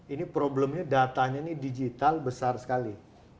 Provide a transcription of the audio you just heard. ini problemnya datanya ini digital besar sekali